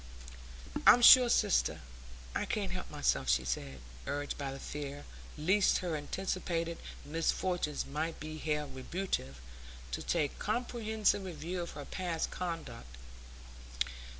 "I'm sure, sister, I can't help myself," she said, urged by the fear lest her anticipated misfortunes might be held retributive, to take comprehensive review of her past conduct.